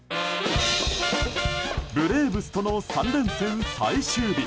ブレーブスとの３連戦最終日。